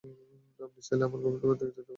আপনি চাইলে আমরা আরো গভীরে যেতে পারি।